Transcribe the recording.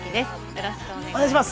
よろしくお願いします。